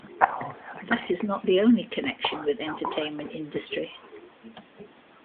That is not the only connection with entertainment industry.